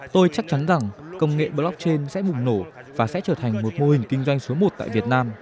tôi chắc chắn rằng công nghệ blockchain sẽ mụn nổ và sẽ trở thành một môn